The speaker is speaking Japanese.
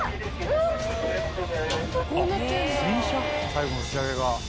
最後の仕上げが。